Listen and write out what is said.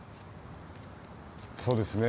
そうですね。